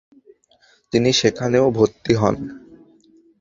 তিনি সেখানেও ভর্তি হন।